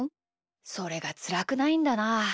それがつらくないんだな。